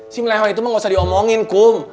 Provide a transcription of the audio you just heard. si melewa itu mah nggak usah diomongin kum